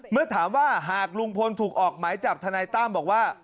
เมื่อถามว่าหากลุงพลถูกออกหมายจับทนายตั้มบอกว่า